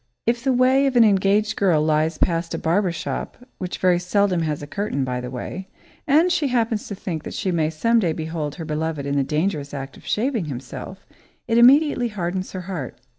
If the way of an engaged girl lies past a barber shop, which very seldom has a curtain, by the way, and she happens to think that she may some day behold her beloved in the dangerous act of shaving himself, it immediately hardens her heart.